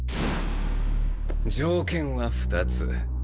条件は２つ。